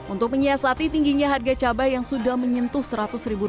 untuk menyiasati tingginya harga cabai yang sudah menyentuh seratus rupiah per kilogram